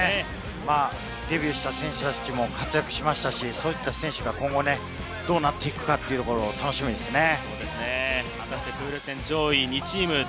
デビューした選手たちも活躍しましたし、そういった選手が今後どうなっていくか楽しみですね。